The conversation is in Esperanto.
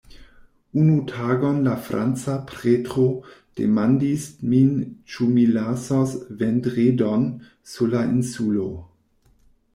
Unu tagon la franca pretro demandis min ĉu mi lasos Vendredon sur la insulo.